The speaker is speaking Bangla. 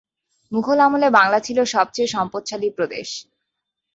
মুঘল আমলে বাংলা ছিল সবচেয়ে সম্পদশালী প্রদেশ।